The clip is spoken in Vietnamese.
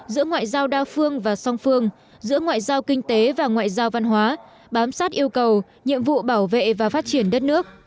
giữa ngoại giao đa phương và song phương giữa ngoại giao kinh tế và ngoại giao văn hóa bám sát yêu cầu nhiệm vụ bảo vệ và phát triển đất nước